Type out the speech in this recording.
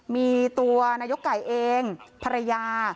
มีตัวนายกไก่เองภรรยา